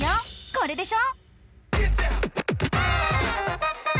これでしょ？